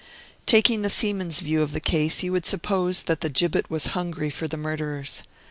Taking the seamen's view of the case, you would suppose that the gibbet was hungry for the murderers.